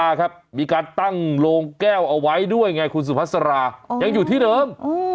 ครับมีการตั้งโรงแก้วเอาไว้ด้วยไงคุณสุภาษายังอยู่ที่เดิม